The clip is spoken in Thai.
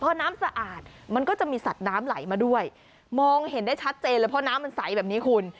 พอน้ำสะอาดมันก็จะมีสัตว์น้ำไหลมาด้วยมองเห็นได้ชัดเจนเลยเพราะน้ำมันใสแบบนี้คุณ